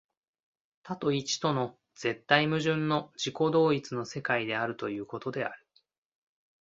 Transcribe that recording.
多と一との絶対矛盾の自己同一の世界であるということである。